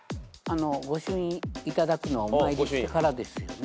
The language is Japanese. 御朱印頂くのはお参りしてからですよね。